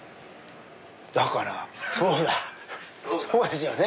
だからそうだそうですよね。